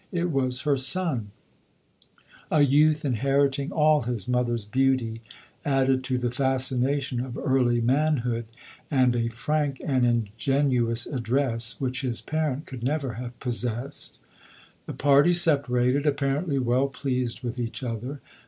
It was her son ; a youth inheriting all his mother's beauty, added to the fascination of early man 138 LODORE. hood, and a frank and ingenuous address, which his parent could never have possessed. The party separated, apparently well pleased with each other.